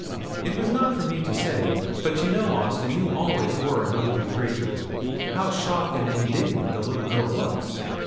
'It was not for me to say but you know, Austin, you always were an ugly creature. How shocked and indignant the little girl looks!